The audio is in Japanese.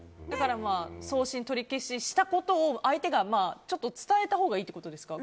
送信取り消ししたことを相手が伝えたほうがいいってことですか？